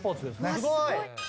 すごい。